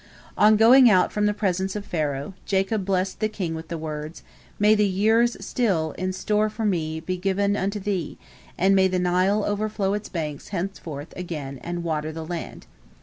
On going out from the presence of Pharaoh, Jacob blessed the king with the words, "May the years still in store for me be given unto thee, and may the Nile overflow its banks henceforth again and water the land."